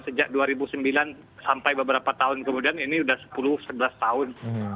sejak dua ribu sembilan sampai beberapa tahun kemudian ini sudah sepuluh sebelas tahun